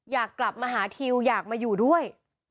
อยากกลับมาหาทิวอยากมาอยู่ด้วย